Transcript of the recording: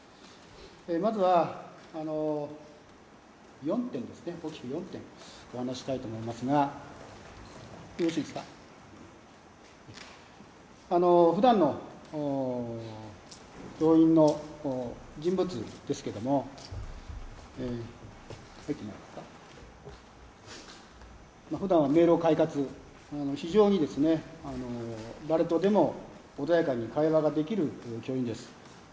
まずは大きく４点、お話ししたいと思いますがふだんの教員の人物ですけれども、ふだんは明朗快活、非常に誰とでも穏やかに会話ができる教員です。